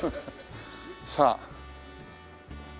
さあ。